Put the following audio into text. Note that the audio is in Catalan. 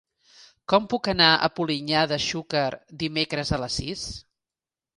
Com puc anar a Polinyà de Xúquer dimecres a les sis?